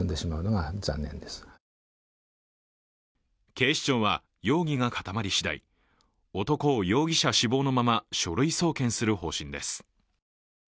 警視庁は容疑が固まり次第男を容疑者死亡のまま書類送検する方針です。